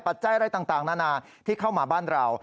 จัยอะไรต่างนานาที่เข้ามาบ้านเรา